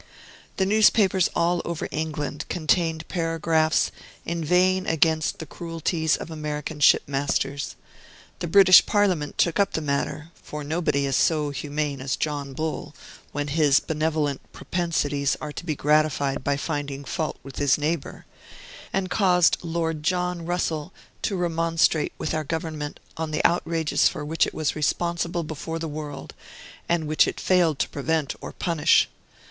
The newspapers all over England contained paragraphs, inveighing against the cruelties of American shipmasters. The British Parliament took up the matter (for nobody is so humane as John Bull, when his benevolent propensities are to be gratified by finding fault with his neighbor), and caused Lord John Russell to remonstrate with our government on the outrages for which it was responsible before the world, and which it failed to prevent or punish.